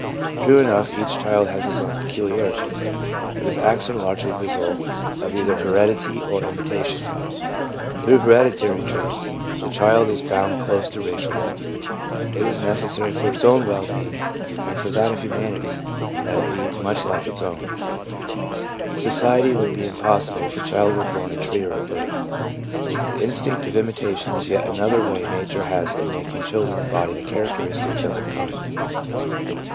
True enough, each child has his own peculiarities, but his acts are largely the result of either heredity or imitation. Through hereditary traits, the child is bound close to racial life, It ia 4 i2 THE PSYCHOLOGY OF RELIGION necessary for its own well being and for that of humanity that it be much like its own. Society would be im possible if a child were born a tree or a bird. The instinct of imitation is yet another way nature has of making children embody the characteristics of their kind.